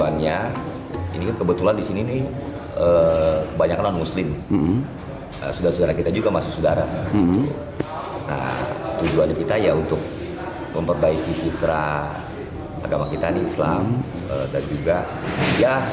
masjid cia kang ho diberikan kemampuan untuk menjaga kemampuan masjid